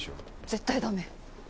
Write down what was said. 絶対駄目！